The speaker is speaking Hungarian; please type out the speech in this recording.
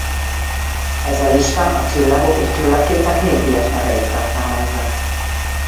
Ez a lista a csillagok és csillagképek népies neveit tartalmazza.